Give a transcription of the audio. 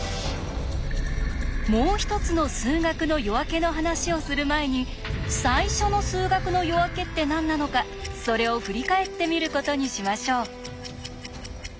「もう一つの数学の夜明け」の話をする前に「最初の数学の夜明け」って何なのかそれを振り返ってみることにしましょう。